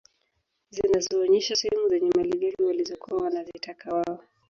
Zinazoonyesha sehemu zenye malighafi walizokuwa wanazitaka wao